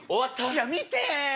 いや見て！